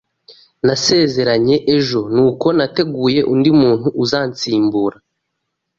Nasezeranye ejo, nuko nateguye undi muntu uzansimbura.